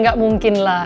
ya gak mungkin lah